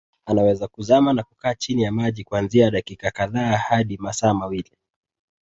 Anaweza kuzama na kukaa chini ya maji kuanzia dakika kadhaa hadi masaa mawili